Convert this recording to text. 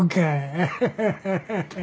アハハハハ。